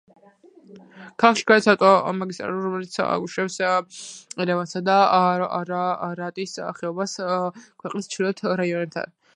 ქალაქში გადის ავტომაგისტრალი, რომელიც აკავშირებს ერევანსა და არარატის ხეობას ქვეყნის ჩრდილოეთ რაიონებთან.